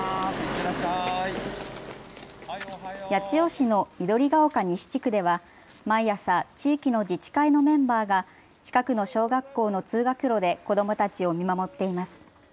八千代市の緑が丘西地区では毎朝、地域の自治会のメンバーが近くの小学校の通学路で子どもたちを見守っています。